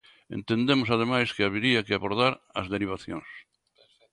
Entendemos ademais que habería que abordar as derivacións.